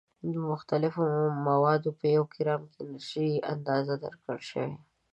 د مختلفو موادو په یو ګرام کې انرژي اندازه درکړل شوې.